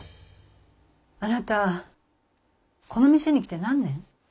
あなたこの店に来て何年？